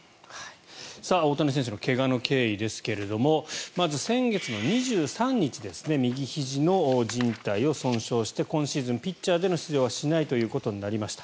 大谷選手の怪我の経緯ですがまず、先月２３日右ひじのじん帯を損傷して今シーズンピッチャーでの出場はしないということになりました。